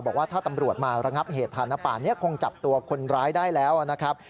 บอกว่าถ้าตำรวจมาระงับเหตุฐานะป่านนี้คงจับตัวคนร้ายได้แล้วนะครับ